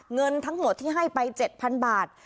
เงินทั้งหมดที่ให้ไป๗๐๐บาท